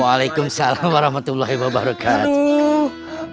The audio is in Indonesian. waalaikumsalam warahmatullahi wabarakatuh